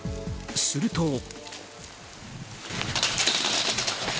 すると。